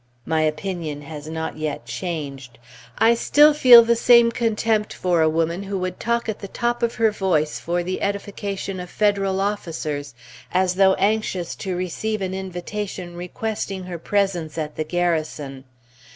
My opinion has not yet changed; I still feel the same contempt for a woman who would talk at the top of her voice for the edification of Federal officers, as though anxious to receive an invitation requesting her presence at the Garrison.